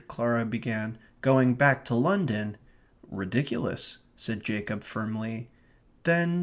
Clara began, "going back to London...." "Ridiculous," said Jacob, firmly. "Then